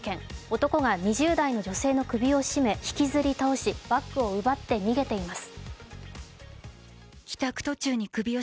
男が２０代の女性の首を絞め、引きずり倒し、バッグを奪って逃げています。